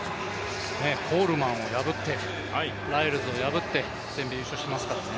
コールマンを破って、ライルズを破って全米優勝していますからね。